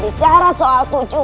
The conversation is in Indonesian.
bicara soal tujuan